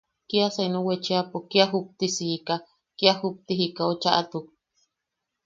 Kia senu wechiapo kia juptisiika, kia jupti jikau chaʼatuk.